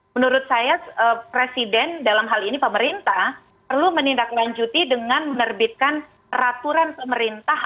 menurut saya presiden dalam hal ini pemerintah perlu menindaklanjuti dengan menerbitkan peraturan pemerintah